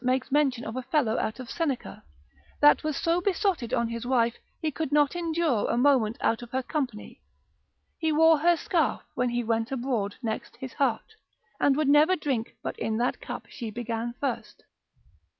makes mention of a fellow out of Seneca, that was so besotted on his wife, he could not endure a moment out of her company, he wore her scarf when he went abroad next his heart, and would never drink but in that cup she began first.